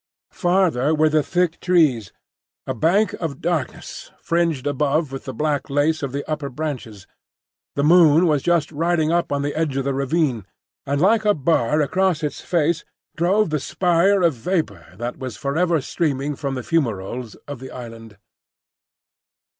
Farther were the thick trees, a bank of darkness, fringed above with the black lace of the upper branches. The moon was just riding up on the edge of the ravine, and like a bar across its face drove the spire of vapour that was for ever streaming from the fumaroles of the island.